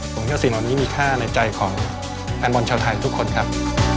ของเที่ยวศิลป์นี้มีค่าในใจของแผ่นมนต์ชาวไทยทุกคนครับ